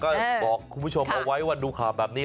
ก็บอกคุณผู้ชมเอาไว้ว่าดูข่าวแบบนี้